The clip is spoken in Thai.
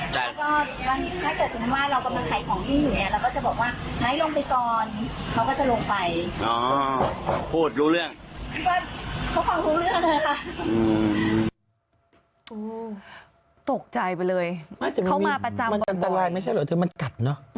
แต่มันกำลังกัดรายไม่ใช่เหรอมันกัดเนอะ